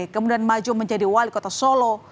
kemudian maju menjadi wali kota solo